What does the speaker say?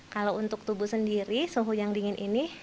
kalau untuk tubuh sendiri suhu yang dingin ini